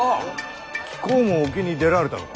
貴公も沖に出られたのか？